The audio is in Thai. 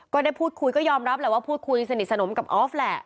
ก็ได้พูดคุยก็ยอมรับแหละว่าพูดคุยสนิทสนมกับออฟแหละ